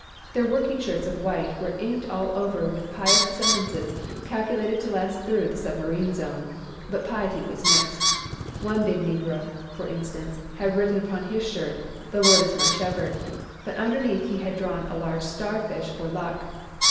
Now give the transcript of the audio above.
Their working shirts of white were inked all over with pious sentences calculated to last through the submarine zone, but piety was mixed. One big negro, for instance, had written upon his shirt: "The Lord is my shepherd," but underneath he had drawn a large starfish for luck.